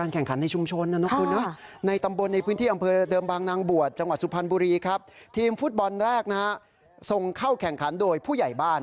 ส่งเข้าแข่งขันโดยผู้ใหญ่บ้าน